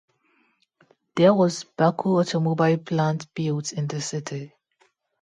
There was Baku Automobile Plant built in the city.